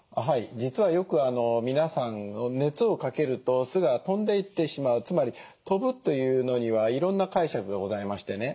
実はよく皆さん熱をかけると酢が飛んでいってしまうつまり飛ぶというのにはいろんな解釈がございましてね